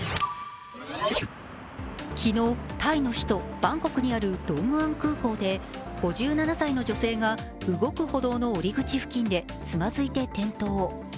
昨日、タイの首都バンコクにあるドンムアン空港で５７歳の女性が動く歩道の降り口付近でつまずいて転倒。